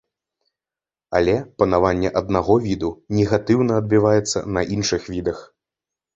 Але панаванне аднаго віду негатыўна адбіваецца на іншых відах.